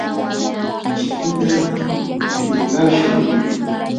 chikuta pirqashun.